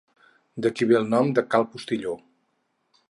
D'aquí ve el nom de Cal Postilló.